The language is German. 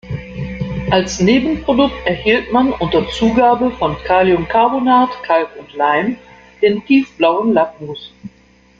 Als Nebenprodukt erhielt man unter Zugabe von Kaliumcarbonat, Kalk und Leim den tiefblauen Lackmus.